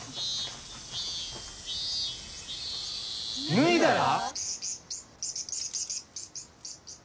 脱いだら？